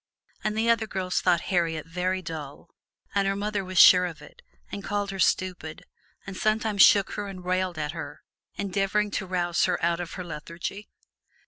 And the other girls thought Harriet very dull, and her mother was sure of it, and called her stupid, and sometimes shook her and railed at her, endeavoring to arouse her out of her lethargy.